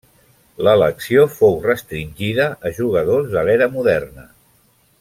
L'elecció fou restringida a jugadors de l'era moderna.